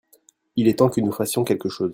il est temps que nous fassions quelque chose.